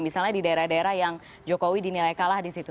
misalnya di daerah daerah yang jokowi dinilai kalah di situ